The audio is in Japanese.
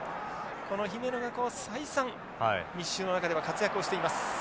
この姫野が再三密集の中では活躍をしています。